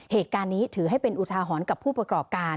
เหตุการณ์นี้ถือให้เป็นอุทาหรณ์กับผู้ประกอบการ